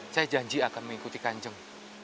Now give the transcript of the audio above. saya janji akan mengikuti kanjeng